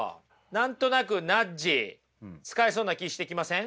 何となくナッジ使えそうな気してきません？